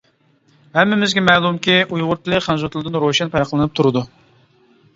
ھەممىمىزگە مەلۇمكى، ئۇيغۇر تىلى خەنزۇ تىلىدىن روشەن پەرقلىنىپ تۇرىدۇ.